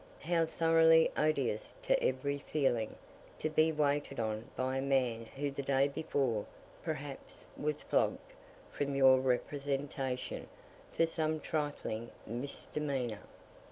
How thoroughly odious to every feeling, to be waited on by a man who the day before, perhaps, was flogged, from your representation, for some trifling misdemeanor.